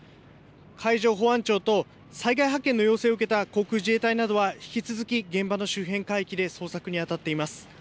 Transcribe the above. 海上保安庁と、災害派遣の要請を受けた航空自衛隊などは、引き続き現場の周辺海域で捜索に当たっています。